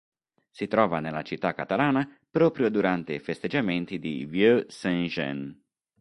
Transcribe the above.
Si trova nella città catalana proprio durante i festeggiamenti di "Vieux Saint Jean".